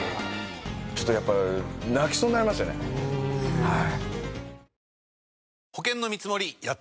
ちょっとやっぱ泣きそうになりましたねはい。